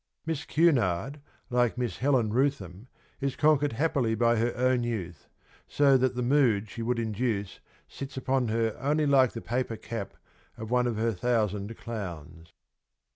Miss Cunard, like Miss Helen Rootham, is conquered happily by her own youth, so that the mood she would induce sits upon her only like the paper cap of one of her thousand clowns.